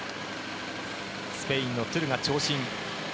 スペインのトゥルが長身。